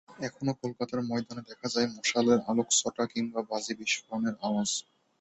এখনো কলকাতার ময়দানে দেখা যায় মশালের আলোকচ্ছটা কিংবা বাজি বিস্ফোরণের আওয়াজ।